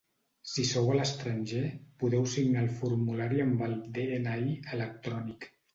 Si sou a l'estranger, podeu signar el formulari amb el DNI electrònic.